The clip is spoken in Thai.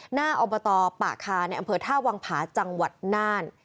หน้าอบตป่าคาในอำเภอท่าวังผาจังหวัดน่าน